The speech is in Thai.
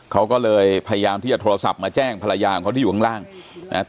เขาก็เลยพยายามที่จะโทรศัพท์มาแจ้งภรรยาของเขาที่อยู่ข้างล่างนะครับ